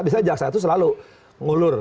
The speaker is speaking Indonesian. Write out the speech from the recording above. misalnya jaksa itu selalu ngulur